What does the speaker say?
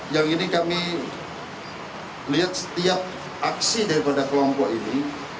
yang ini kami lihat setiap aksi daripada kelompok ini